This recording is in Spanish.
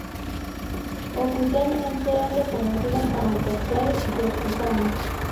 Oficialmente es reconocido como el tercer "yokozuna".